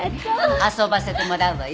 遊ばせてもらうわよ。